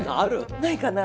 ないかなあ。